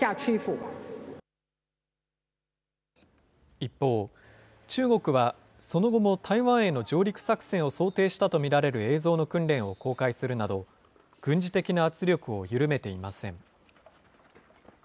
一方、中国はその後も台湾への上陸作戦を想定したと見られる映像の訓練を公開するなど、軍事的な圧力を緩めていません。